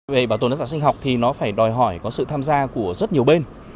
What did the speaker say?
về bảo tồn đa dạng sinh học thì nó phải đòi hỏi có sự tham gia của rất nhiều bên